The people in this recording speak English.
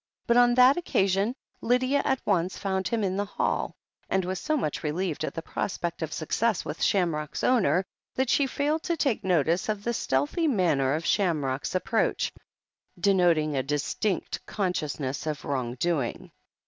But on this occasion Lydia at once found him in the hall, and was so much relieved at the prospect of success with Shamrock's owner, that she failed to take notice of the stealthy manner of Shamrock's ap proach, denoting a distinct consciousness of wrong doing.